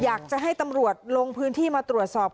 อยากจะให้ตำรวจลงพื้นที่มาตรวจสอบ